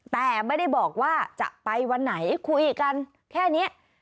แต่ไม่ได้บอกว่าจะไปวันไหนคุยกันแค่นี้